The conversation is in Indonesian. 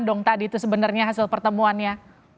dong tadi itu sebenarnya hasil pertemuannya